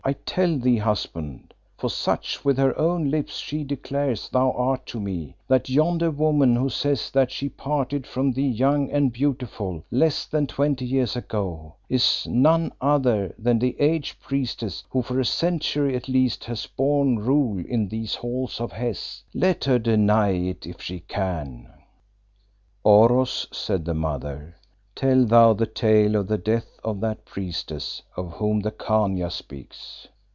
"I tell thee, husband for such with her own lips she declares thou art to me that yonder woman who says that she parted from thee young and beautiful, less than twenty years ago, is none other than the aged priestess who for a century at least has borne rule in these halls of Hes. Let her deny it if she can." "Oros," said the Mother, "tell thou the tale of the death of that priestess of whom the Khania speaks."